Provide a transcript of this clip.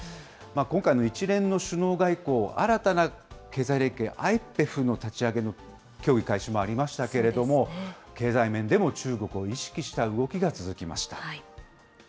今回の一連の首脳外交、新たな経済連携、ＩＰＥＦの立ち上げの協議開始もありましたけれども、経済面でも中国を意識した動きが続きました。